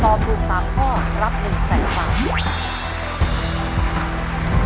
ตอบถูก๓ข้อรับ๑แสนบาท